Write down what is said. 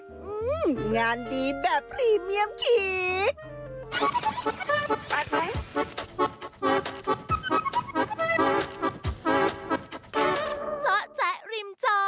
งานดีแบบพรีเมียมคิด